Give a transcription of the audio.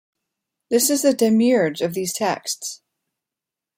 This is the demiurge of these texts.